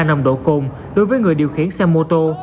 nồng độ cồn đối với người điều khiển xe mô tô